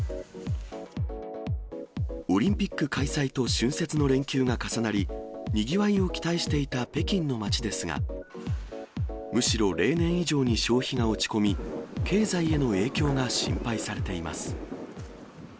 オリンピック開催と春節の連休が重なり、にぎわいを期待していた北京の街ですが、むしろ例年以上に消費が落ち込み、経済への影響が心配されています。